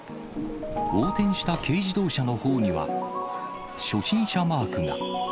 横転した軽自動車のほうには、初心者マークが。